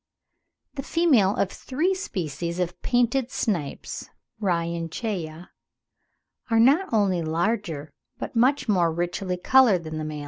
] The females of the three species of Painted Snipes (Rhynchaea, Fig. 62) "are not only larger but much more richly coloured than the males."